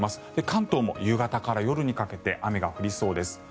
関東も夕方から夜にかけて雨が降りそうです。